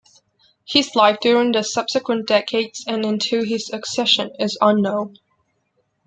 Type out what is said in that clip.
His life during the subsequent decades and until his accession is unknown.